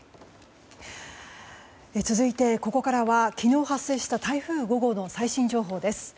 続いて、ここからは昨日発生した台風５号の最新情報です。